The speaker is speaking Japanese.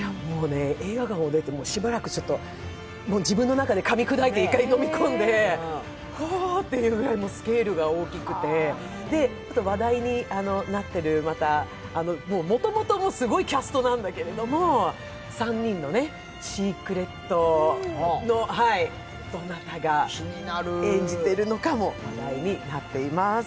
映画館を出ても自分の中で１回かみ砕いてほというくらいスケールが大きくて、あと話題になってる、もともともすごいキャストなんだけれども３人のシークレットのどなたが演じているのかも話題になっています。